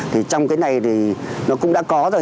trong cái này thì nó cũng đã có rồi